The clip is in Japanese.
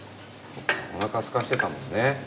お腹すかしてたもんね。